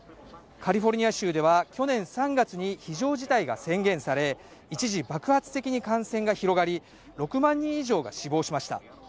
カリフォルニア州では去年３月に非常事態が宣言され、一時、爆発的に感染が広がり６万人以上が死亡しました。